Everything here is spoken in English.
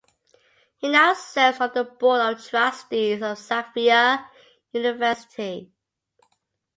He now serves on the Board of Trustees of Xavier University.